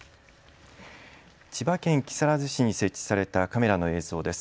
千葉県木更津市に設置されたカメラの映像です。